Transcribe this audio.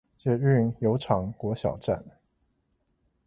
捷運油廠國小站